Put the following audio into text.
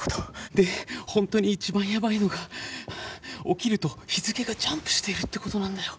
でほんとに一番やばいのが起きると日付がジャンプしてるってことなんだよ。